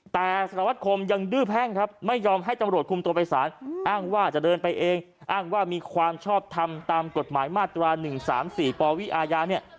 แต่สารวัตคมยังดื้อแพ่งครับไม่ยอมให้ตำรวจคุมตัวไปสารอ้างว่าจะเดินไปเองอ้างว่ามีความชอบทำตามกฎหมายมาตรา๑๓๔ปวิอาญาเนี่ย